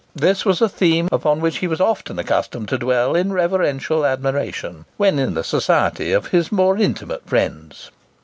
This was a theme upon which he was often accustomed to dwell in reverential admiration, when in the society of his more intimate friends.